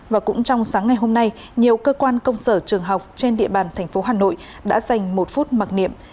và cũng trong sáng ngày hôm nay nhiều cơ quan công sở trường học trên địa bàn thành phố hà nội đã dành một phút mặc niệm